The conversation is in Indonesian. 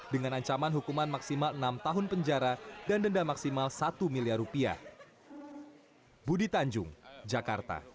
dengan ancaman hukuman maksimal enam tahun penjara dan denda maksimal satu miliar rupiah